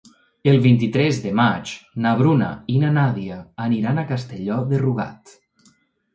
El vint-i-tres de maig na Bruna i na Nàdia aniran a Castelló de Rugat.